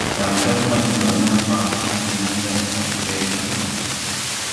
Tantata rurananpaq harinata taqllaykan.